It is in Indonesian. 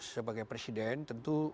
sebagai presiden tentu